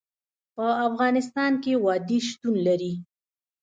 په افغانستان کې وادي شتون لري.